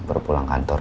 baru pulang kantor